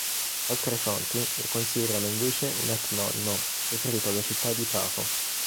Altre fonti lo considerano invece un etnonimo, riferito alla città di Pafo.